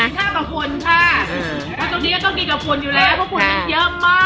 กินข้ากับฝุ่นค่ะตอนนี้ก็ต้องกินกับฝุ่นอยู่แล้ว